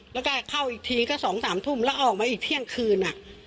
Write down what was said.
แล้วก็เข้าอีกทีก็๒๓ทุ่มแล้วออกมาอีกเที่ยงคืน